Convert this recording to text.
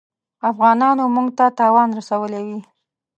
افغانانو موږ ته تاوان رسولی وي.